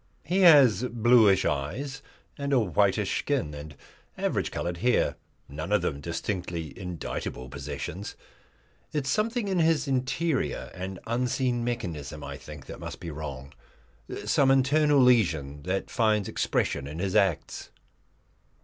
He has bluish eyes and a whitish skin, and average coloured hair none of them distinctly indictable possessions. It is something in his interior and unseen mechanism, I think, that must be wrong; some internal lesion that finds expression in his acts.